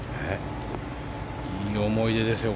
いい思い出ですよ。